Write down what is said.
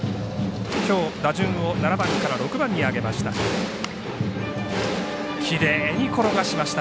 きょう打順を７番から６番に上げました。